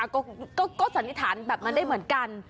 อ่ะก็สัณฤทัณฑ์แบบมันได้เหมือนกัน